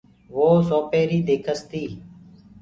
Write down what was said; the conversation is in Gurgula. وو سوپيري ديکس تي۔